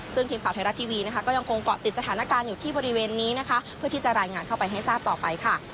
ซึ่งทีมข่าวไทยรัฐทีวีนะคะก็ยังคงเกาะติดสถานการณ์อยู่ที่บริเวณนี้นะคะเพื่อที่จะรายงานเข้าไปให้ทราบต่อไปค่ะ